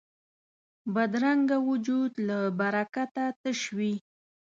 بدرنګه وجود له برکته تش وي